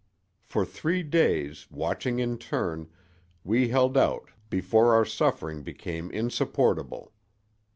For three days, watching in turn, we held out before our suffering became insupportable.